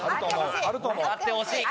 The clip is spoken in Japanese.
あってほしい。